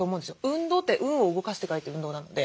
運動って運を動かすと書いて運動なので。